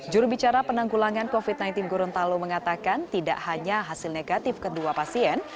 jurubicara penanggulangan covid sembilan belas gorontalo mengatakan tidak hanya hasil negatif kedua pasien